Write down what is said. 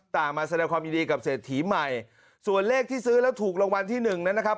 มาแสดงความยินดีกับเศรษฐีใหม่ส่วนเลขที่ซื้อแล้วถูกรางวัลที่หนึ่งนั้นนะครับ